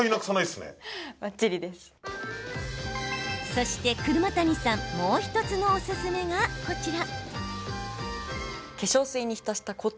そして、車谷さんもう１つのおすすめがこちら。